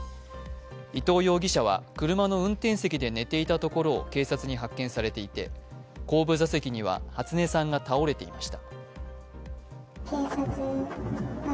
伊藤容疑者は車の運転席で寝ていたところを警察に発見されていて後部座席には初音さんが倒れていました。